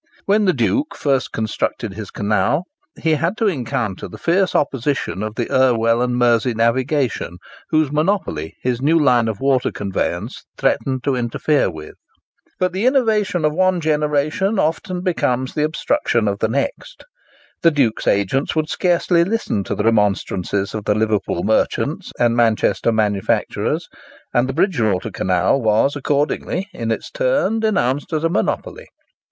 When the Duke first constructed his canal, he had to encounter the fierce opposition of the Irwell and Mersey Navigation, whose monopoly his new line of water conveyance threatened to interfere with. But the innovation of one generation often becomes the obstruction of the next. The Duke's agents would scarcely listen to the remonstrances of the Liverpool merchants and Manchester manufacturers, and the Bridgewater Canal was accordingly, in its turn, denounced as a monopoly.